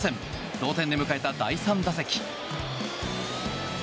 同点で迎えた第３打席。